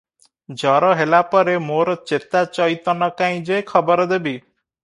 ଜର ହେଲା ପରେ ମୋର ଚେତା ଚଇତନ କାଇଁ ଯେ ଖବର ଦେବି?